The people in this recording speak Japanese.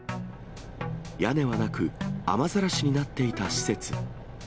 屋根はなく、雨ざらしになっていた施設。